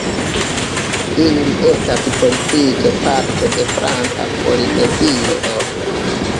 Ili estas politike parto de Franca Polinezio.